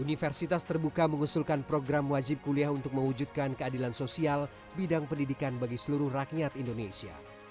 universitas terbuka mengusulkan program wajib kuliah untuk mewujudkan keadilan sosial bidang pendidikan bagi seluruh rakyat indonesia